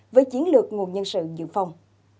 với chiến lược nguồn nhân sự dự phòng